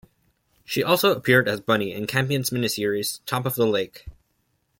She also appeared as Bunny, in Campion's miniseries "Top of the Lake".